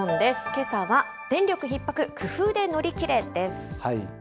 けさは電力ひっ迫工夫で乗り切れです。